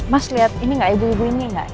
mas lihat ini gak ibu ibu ini gak